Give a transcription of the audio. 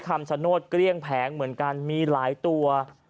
คำชโนธเกลี้ยงแผงเหมือนกันมีหลายตัว